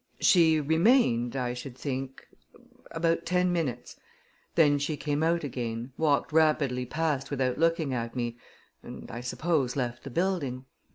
She remained, I should think, about ten minutes; then she came out again, walked rapidly past without looking at me, and, I suppose, left the building.